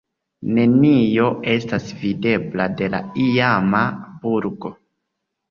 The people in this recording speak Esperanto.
Nenio estas videbla de la iama burgo.